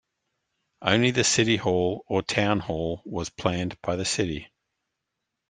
Only the city hall or town hall was planned by the city.